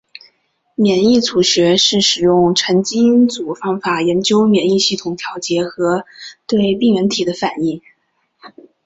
免疫组学是使用全基因组方法研究免疫系统调节和对病原体的反应。